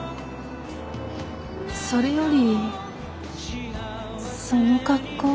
それよりその格好。